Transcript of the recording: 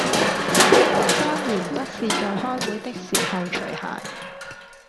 當然不是在開會的時候除鞋